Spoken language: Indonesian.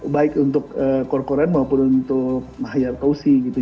baik untuk kor koren maupun untuk mahayar kausi gitu